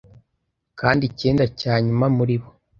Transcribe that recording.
Kandi icyenda cya nyuma muri bo